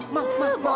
mak mak mak